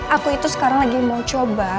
aku itu sekarang lagi mau coba